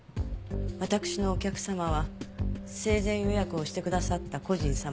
わたくしのお客様は生前予約をしてくださった故人様のみ。